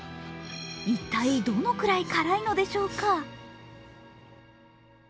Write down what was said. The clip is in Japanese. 一体、どのくらい辛いのでしょうか。